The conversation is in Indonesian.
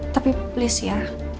tapi please ya